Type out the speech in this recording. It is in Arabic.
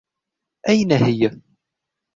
أين هي ؟